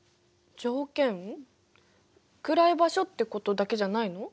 暗い場所ってことだけじゃないの？